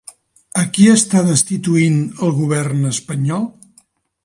A qui està destituint el govern espanyol?